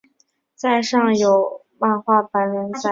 在上有漫画版连载。